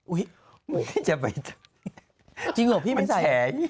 อุ๊ยยังไม่ที่จะไปจริงหรอกที่ไม่ใส่